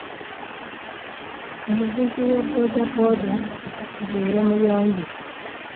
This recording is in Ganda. Omuvuzi wa boodabooda abeere muyonjo.